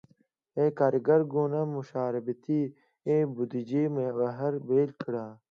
کارګر ګوند د »مشارکتي بودیجې« بهیر پیل کړ.